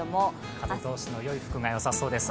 風通しの服がよさそうです。